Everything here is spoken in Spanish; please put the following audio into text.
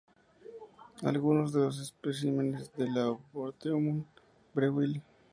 Algunos de los especímenes del ""Arboretum Breuil"".